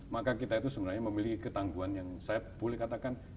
maka kita itu sebenarnya memiliki ketangguhan yang saya boleh katakan